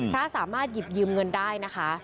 สามารถหยิบยืมเงินได้นะคะ